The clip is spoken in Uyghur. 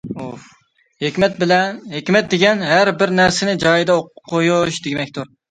«ھېكمەت» دېگەن «ھەر بىر نەرسىنى جايىدا قويۇش» دېمەكتۇر.